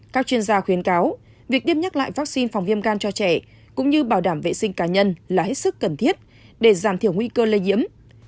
các chuyên gia khuyến cáo việc tiêm nhắc lại vaccine phòng viêm gan cho trẻ cũng như bảo đảm vệ sinh cá nhân là hết sức cần thiết để giảm thiểu nguy cơ lây nhiễm